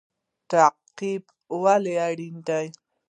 تعقیب ولې اړین دی؟